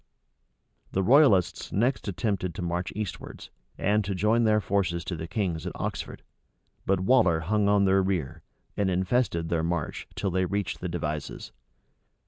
The royalists next attempted to march eastwards, and to join their forces to the king's at Oxford: but Waller hung on their rear, and infested their march till they reached the Devizes.